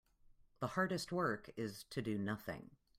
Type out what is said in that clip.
The hardest work is to do nothing.